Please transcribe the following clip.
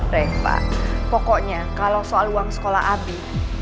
baik pak pokoknya kalau soal uang sekolah abi